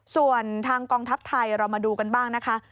ส่วนทางกองทัพไทยเรามาดูกันบ้างนะคะ